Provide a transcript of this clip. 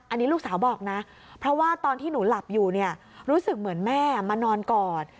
อันนี้ลูกสาวบอกนะเพราะว่าตอนที่หนูหลับอยู่เนี่ยรู้สึกเหมือนแม่มานอนกอด